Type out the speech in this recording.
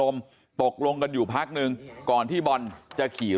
มันต้องการมาหาเรื่องมันจะมาแทงนะ